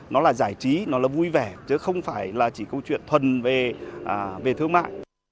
nó là giải trí nó là vui vẻ chứ không phải là chỉ câu chuyện thuần về thương mại